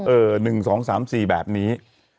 เออ๑๒๓๔แบบนี้